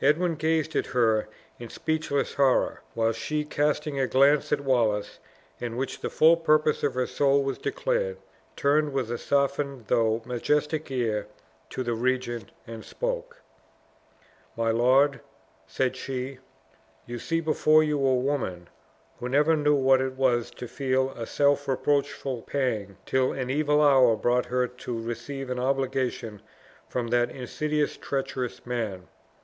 Edwin gazed at her in speechless horror; while she, casting a glance at Wallace, in which the full purpose of her soul was declared, turned with a softened though majestic air, to the regent, and spoke: "My lord," said she, "you see before you a woman, who never knew what it was to feel a self reproachful pang till an evil hour brought her to receive an obligation from that insidious treacherous man.